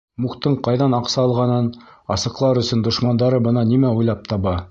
Муктың ҡайҙан аҡса алғанын асыҡлар өсөн дошмандары бына нимә уйлап таба.